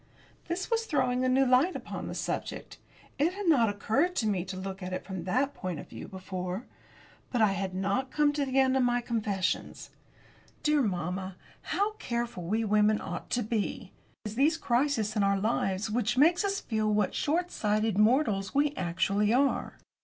This was throwing a new light upon the subject. It had not occurred to me to look at it from that point of view before. But I had not come to the end of my confessions. Dear mamma, how careful we women ought to be! It is these crises in our lives which make us feel what short sighted mortals we actually are.